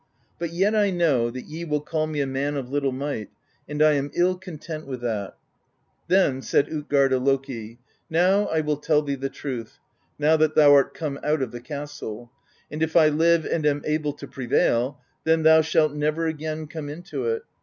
' But yet I know that ye will call me a man of little might, and I am ill content with that.' Then said Utgardi Loki: ^Now I will tell thee the truth, now that thou art come out of the castle; and if I live and am able to prevail, then thou shalt never again come into it.